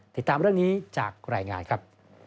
ติดตามเรื่องนี้จากรายงานครับ